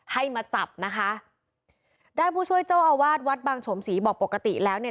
ให้มาจับนะคะได้ผู้ช่วยเจ้าอาวาสวัดบางโฉมศรีบอกปกติแล้วเนี่ย